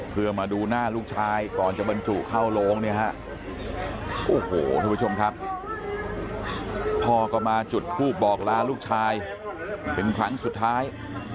เพื่อมาดูหน้าลูกชายก่อนจะบรรจุเข้าโลงพ่อก็มาจุดพูดบอกลาลูกชายเป็นครั้งสุดท้าย